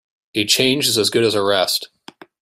A change is as good as a rest.